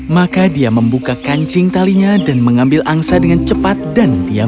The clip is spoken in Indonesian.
maka dia membuka kancing talinya dan mengambil angsa dengan cepat dan diam